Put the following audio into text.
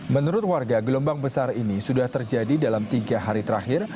menurut warga gelombang besar ini sudah terjadi dalam tiga hari terakhir